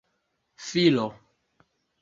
filo